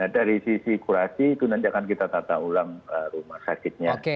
dari sisi kurasi itu nanti akan kita tata ulang rumah sakitnya